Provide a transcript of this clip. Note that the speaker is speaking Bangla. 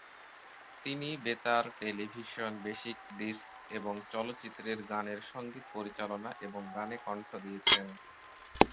তিনি বেতার, টেলিভিশন, বেসিক ডিস্ক এবং চলচ্চিত্রের গানের সঙ্গীত পরিচালনা এবং গানে কণ্ঠ দিয়েছেন।